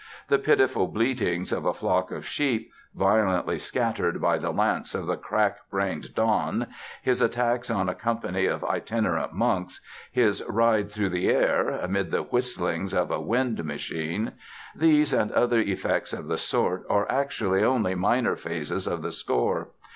The pitiful bleatings of a flock of sheep, violently scattered by the lance of the crack brained Don, his attacks on a company of itinerant monks, his ride through the air (amid the whistlings of a "wind machine")—these and other effects of the sort are actually only minor phases of the score.